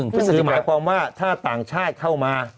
ก็คือหมายความว่าถ้าต่างชาติเข้ามา